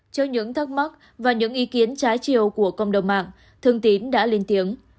trước những thắc mắc và những ý kiến trái chiều của cộng đồng mạng thương tín đã lên tiếng